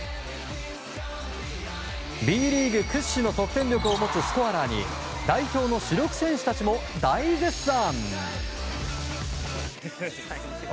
Ｂリーグ屈指の得点力を持つスコアラーに代表の主力選手たちも大絶賛。